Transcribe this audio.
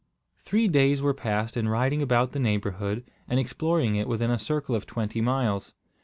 Three days were passed in riding about the neighbourhood, and exploring it within a circle of twenty miles.